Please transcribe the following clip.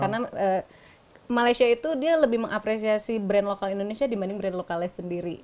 karena malaysia itu dia lebih mengapresiasi brand lokal indonesia dibanding brand lokalnya sendiri